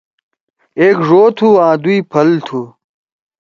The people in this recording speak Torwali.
ایک ڙو تُھو آں دُوئی پھل تُھو۔